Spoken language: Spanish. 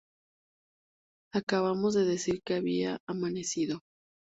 acabamos de decir que había amanecido